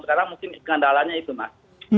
sekarang mungkin kendalanya itu mas